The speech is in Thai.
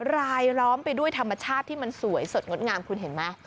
รายล้อมไปด้วยธรรมชาติที่มันสวยสดงดงามคุณเห็นไหม